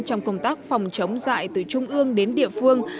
trong công tác phòng chống dạy từ trung ương đến địa phương